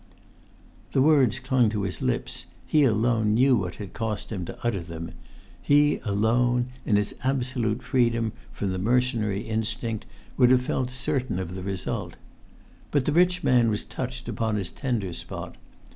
The words clung to his lips; he alone knew what it cost him to utter them; he alone, in his absolute freedom from the mercenary instinct, would have felt certain of the result. But the rich man was touched upon his tender spot.